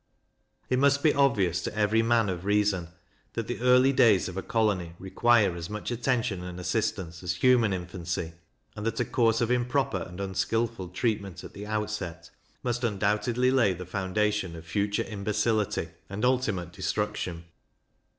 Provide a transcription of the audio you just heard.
It must be obvious to every man of reason, that the early days of a colony require as much attention and assistance as human infancy, and that a course of improper and unskilful treatment at the outset must undoubtedly lay the foundation of future imbecility and ultimate destruction.